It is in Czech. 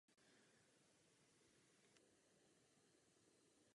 Byla však zvolena první předsedkyní spolku.